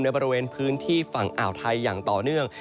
บริเวณพื้นที่ฝั่งอ่าวไทยอย่างต่อเนื่อง